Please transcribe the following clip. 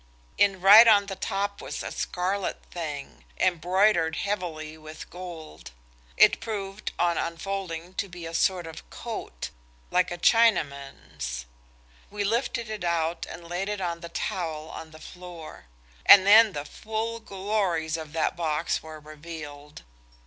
In right on the top was a scarlet thing, embroidered heavily with gold. It proved, on unfolding, to be a sort of coat, like a Chinaman's. We lifted it out and laid it on the towel on the floor. And then the full glories of that box were revealed.